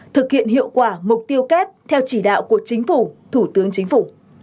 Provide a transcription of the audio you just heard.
thực hiện hiệu quả mục tiêu kép theo chỉ đạo của chính phủ thủ tướng chính phủ